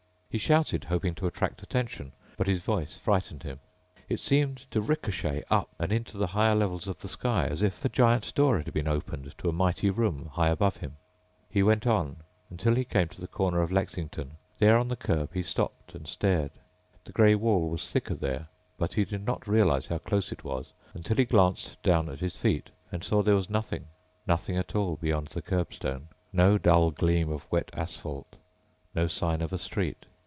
He shouted, hoping to attract attention. But his voice frightened him. It seemed to ricochet up and into the higher levels of the sky, as if a giant door had been opened to a mighty room high above him. He went on until he came to the corner of Lexington. There, on the curb, he stopped and stared. The gray wall was thicker there but he did not realize how close it was until he glanced down at his feet and saw there was nothing, nothing at all beyond the curbstone. No dull gleam of wet asphalt, no sign of a street.